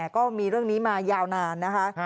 ก็มีเรื่องนี้มายาวนานนะคะ